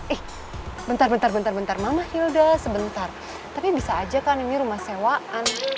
ih bentar bentar bentar bentar mama hilda sebentar tapi bisa aja kan ini rumah sewaan